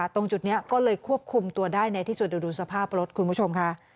ตรงจุดนี้ก็เลยควบคุมตัวได้ในที่สุดเดี๋ยวดูสภาพรถคุณผู้ชมค่ะ